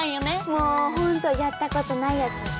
もうほんとやったことないやつ。